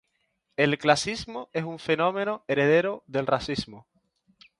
El clasismo es un fenómeno heredero del racismo.